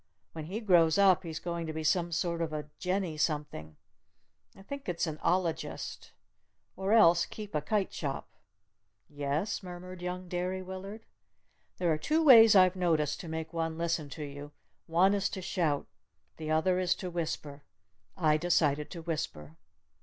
When he grows up he's going to be some sort of a jenny something I think it's an ologist! Or else keep a kite shop!" "Yes?" murmured young Derry Willard. There are two ways I've noticed to make one listen to you. One is to shout. The other is to whisper. I decided to whisper.